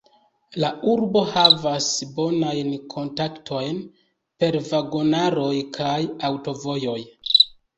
La urbo havas bonajn kontaktojn per vagonaroj kaj aŭtovojoj.